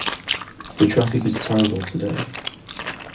The traffic is terrible today.